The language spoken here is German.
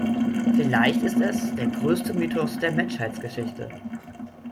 Vielleicht ist es der größte Mythos der Menschheitsgeschichte.